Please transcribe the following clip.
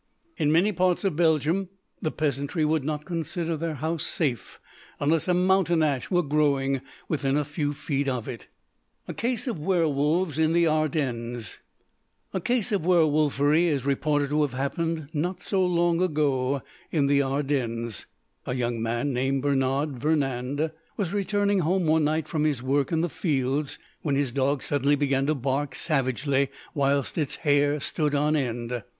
In many parts of Belgium the peasantry would not consider their house safe unless a mountain ash were growing within a few feet of it. A CASE OF WERWOLVES IN THE ARDENNES A case of werwolfery is reported to have happened, not so long ago, in the Ardennes. A young man, named Bernard Vernand, was returning home one night from his work in the fields, when his dog suddenly began to bark savagely, whilst its hair stood on end.